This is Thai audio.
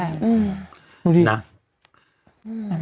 ดูดินะอืม